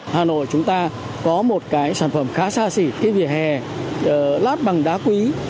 hà nội chúng ta có một cái sản phẩm khá xa xỉ cái vỉa hè lát bằng đá quý